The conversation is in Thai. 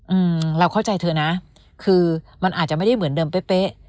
อืมเราเข้าใจเธอนะคือมันอาจจะไม่ได้เหมือนเดิมเป๊ะเป๊ะ